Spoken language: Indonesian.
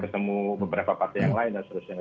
ketemu beberapa partai yang lain dan seterusnya